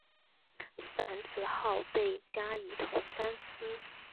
樊子鹄被加仪同三司。